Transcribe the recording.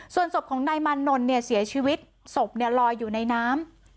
ส่วนศพของนายมานนท์เนี่ยเสียชีวิตศพลอยอยู่ในน้ำ